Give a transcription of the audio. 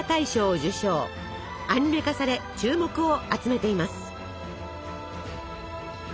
アニメ化され注目を集めています。